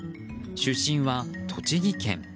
出身は栃木県。